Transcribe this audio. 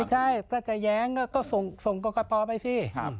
ใช่ถ้าจะแย้งก็ส่งกรกตไปสิ